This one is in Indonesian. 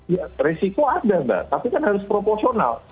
ya resiko ada mbak tapi kan harus proporsional